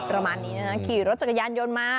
ประมาณนี้นะฮะขี่รถจักรยานยนต์มา